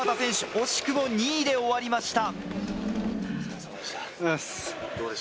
惜しくも２位で終わりました。